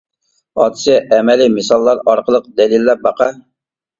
ئاتىسى : ئەمەلىي مىساللار ئارقىلىق دەلىللەپ باقە!